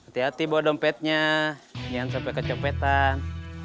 hati hati bawa dompetnya jangan sampai kecompetan